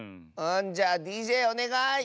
じゃあＤＪおねがい！